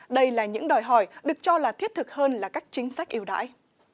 đây là những đòi hỏi được cho là thiết thực hơn là các chính sách yêu đại